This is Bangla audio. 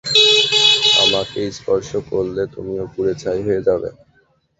আমাকে স্পর্শ করলে তুমিও পুড়ে ছাই হয়ে যাবে।